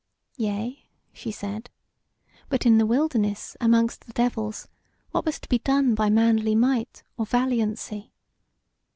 "Yea," she said; "but in the wilderness amongst the devils, what was to be done by manly might or valiancy?